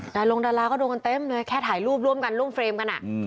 แต่ลงดาราก็ดูกันเต็มเลยแค่ถ่ายรูปร่วมกันร่วมเฟรมกันอ่ะอืม